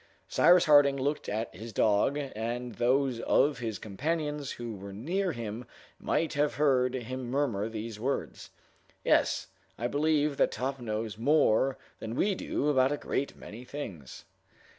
Cyrus Harding looked at his dog, and those of his companions who were near him might have heard him murmur these words, "Yes, I believe that Top knows more than we do about a great many things."